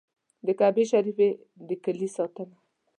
د کعبې شریفې د کیلي ساتنه.